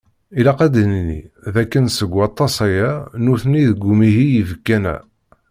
Ilaq ad d-nini d akken seg waṭas-aya, nutni deg umihi yibkan-a.